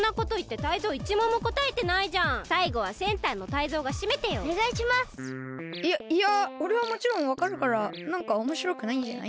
いやいやおれはもちろんわかるからなんかおもしろくないんじゃない？